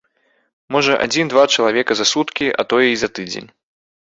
Можа, адзін-два чалавека за суткі, а тое і за тыдзень.